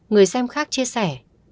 người xem khác chia sẻ